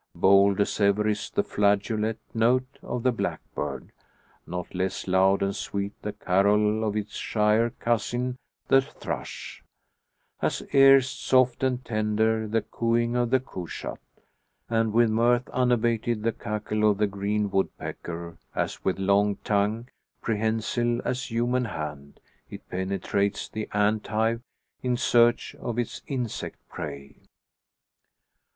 Bold as ever is the flageolet note of the blackbird; not less loud and sweet the carol of his shyer cousin the thrush; as erst soft and tender the cooing of the cushat; and with mirth unabated the cackle of the green woodpecker, as with long tongue, prehensile as human hand, it penetrates the ant hive in search of its insect prey.